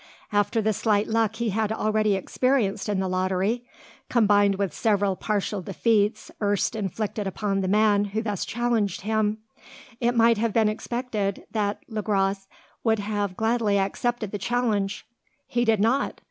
After the slight luck he had already experienced in the lottery, combined with several partial defeats erst inflicted upon the man who thus challenged him, it might have been expected that Le Gros would have gladly accepted the challenge. He did not.